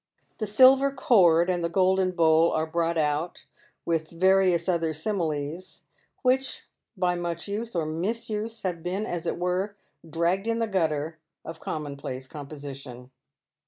The silver cord and the golden bowl are brought out, with various other similes, which, by much use or misuse, have been, as it were, dragged in the gutter of commonplace composition.